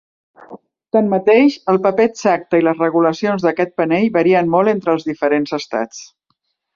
Tanmateix, el paper exacte i las regulacions d'aquest panell varien molt entre els diferents estats.